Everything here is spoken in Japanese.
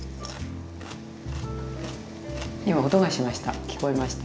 今音がしました。